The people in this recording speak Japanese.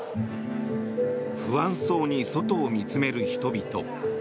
不安そうに外を見つめる人々。